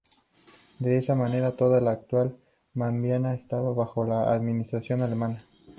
De esta manera toda la actual Namibia estaba bajo la administración alemana.